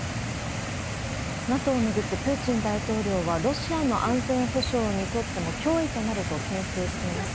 ＮＡＴＯを巡って、プーチン大統領は、ロシアの安全保障にとっても脅威となるとけん制しています。